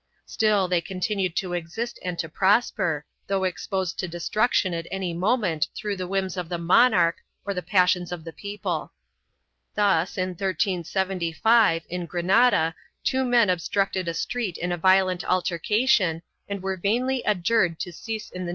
4 Still they continued to exist and to prosper, though exposed to destruction at any moment through the whims of the monarch or the passions of the people. Thus, in 1375, in Granada, two men obstructed a street in a violent altercation and were vainly adjured to cease in the name of 1 S. Eulogii Memorialis Sanctorum Lib.